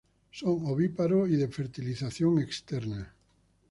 Son ovíparos y de fertilización externa.